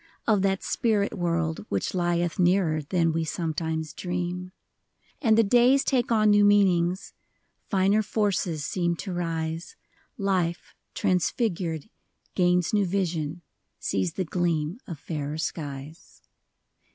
Of that spirit world which lieth Nearer than we sometimes dream. And the days take on new meanings ; Finer forces seem to rise ; Life, transfigured, gains new vision, Sees the gleam of fairer skies.